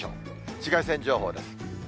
紫外線情報です。